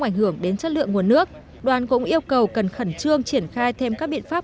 ảnh hưởng đến chất lượng nguồn nước đoàn cũng yêu cầu cần khẩn trương triển khai thêm các biện pháp